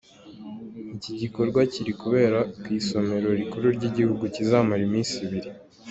Iki gikorwa kiri kubera ku isomero rikuru ry’igihugu kizamara iminsi ibiri.